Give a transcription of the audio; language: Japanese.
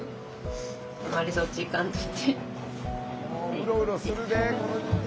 うろうろするで。